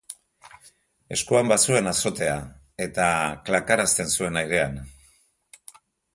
Eskuan bazuen azotea eta klakarazten zuen airean.